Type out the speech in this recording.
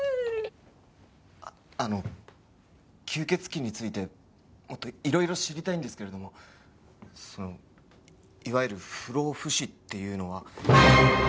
あの吸血鬼についてもっといろいろ知りたいんですけれどもそのいわゆる不老不死っていうのは。